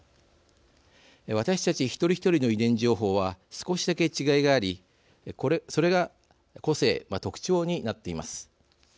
私たち、一人一人の遺伝情報は少しだけ違いがありそれが個性、特徴になっています。